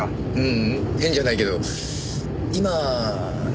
ううん変じゃないけど今何年生？